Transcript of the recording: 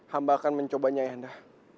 hamba akan mencobanya ayahanda